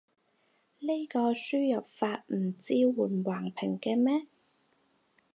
呢個輸入法唔支援橫屏嘅咩？